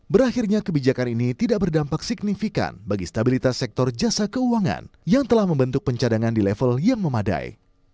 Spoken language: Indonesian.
berakhirnya kebijakan ini tidak berdampak signifikan bagi stabilitas sektor jasa keuangan yang telah membentuk pencadangan di level yang memadai